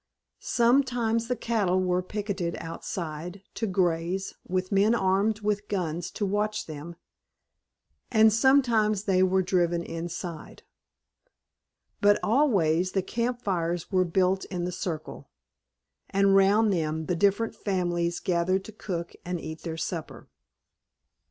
Sometimes the cattle were picketed outside, to graze, with men armed with guns to watch them, and sometimes they were driven inside. But always the camp fires were built in the circle, and round them the different families gathered to cook and eat their supper.